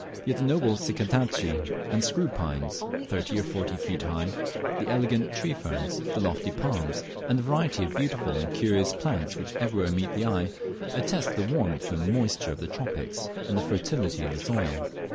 Yet the noble Cycadaceae and screw pines, thirty or forty feet high, the elegant tree ferns, the lofty palms, and the variety of beautiful and curious plants which everywhere meet the eye, attest the warmth and moisture of the tropics, and the fertility of the soil.